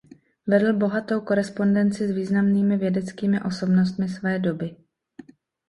Vedl bohatou korespondenci s významnými vědeckými osobnostmi své doby.